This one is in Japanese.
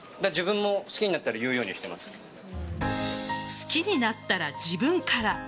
好きになったら自分から。